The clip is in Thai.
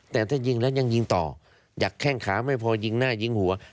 แต่ถ้ายิงแล้วยังยิงต่ออยากแข้งขาไม่พอยิงหน้ายิงหัว